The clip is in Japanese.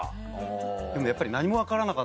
でもやっぱり何も分からなかった。